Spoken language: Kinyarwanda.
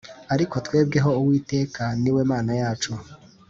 Ariko twebweho Uwiteka ni we Mana yacu